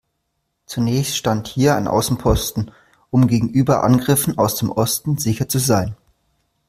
Zunächst stand hier ein Außenposten, um gegenüber Angriffen aus dem Osten sicher zu sein.